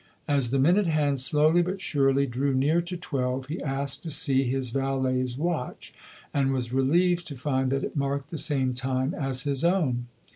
As the minute hand slowly but surely drew near to twelve he asked to see his valet's watch, and was relieved to find that it marked the same time as his own.